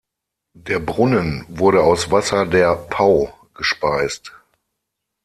Der Brunnen wurde aus Wasser der Pau gespeist.